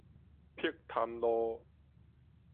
碧潭路